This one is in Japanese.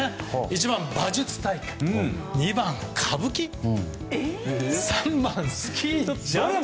１番、馬術大会２番、歌舞伎３番、スキージャンプ大会。